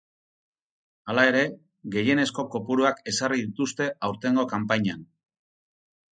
Hala ere, gehienezko kopuruak ezarri dituzte aurtengo kanpainan.